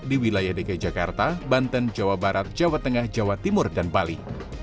di wilayah dki jakarta banten jawa barat jawa tengah jawa timur dan bali